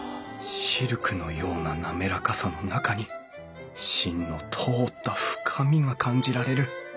シルクのような滑らかさの中に芯の通った深みが感じられる。